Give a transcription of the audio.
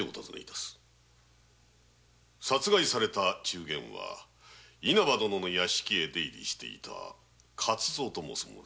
殺害された中間は稲葉殿の屋敷へ出入りしていた勝造という者。